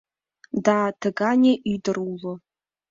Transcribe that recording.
«Да, тыгане ӱдыр уло